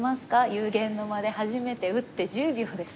幽玄の間で初めて打って１０秒ですよ。